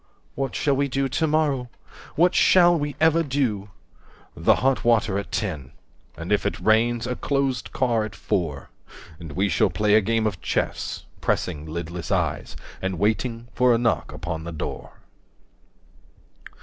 What shall we do to morrow? What shall we ever do?" The hot water at ten. 135 And if it rains, a closed car at four. And we shall play a game of chess, Pressing lidless eyes and waiting for a knock upon the door.